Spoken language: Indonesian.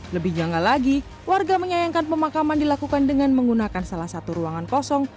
lebih janggal lagi warga menyayangkan pemakaman dilakukan dengan menggunakan salah satu ruangan kosong